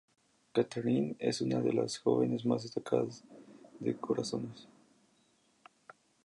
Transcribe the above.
Catherine es una de las jóvenes más destacadas de corazones.